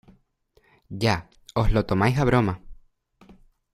Ya, os lo tomáis a broma.